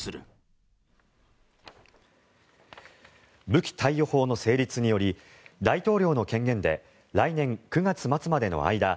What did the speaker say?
武器貸与法の成立により大統領の権限で来年９月末までの間